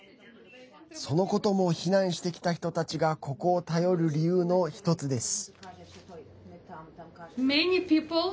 そのことも避難してきた人たちがここを頼る理由の１つです。